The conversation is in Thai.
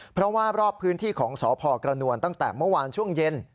เพราะว่ารอบพื้นที่ของสพกระนวลตั้งแต่เมื่อวานช่วงเย็น